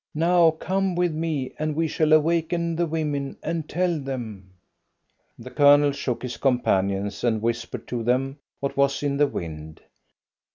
Now come with me, and we shall awaken the women and tell them." The Colonel shook his companions and whispered to them what was in the wind.